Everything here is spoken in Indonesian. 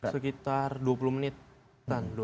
sekitar dua puluh menitan